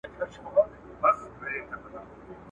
خره هم ورکړې څو لغتي په سینه کي ..